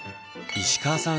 石川さん